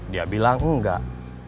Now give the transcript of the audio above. dia bilang tidak